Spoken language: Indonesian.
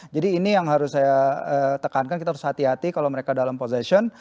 jadi ini yang harus saya tekankan kita harus hati hati kalau mereka dalam possession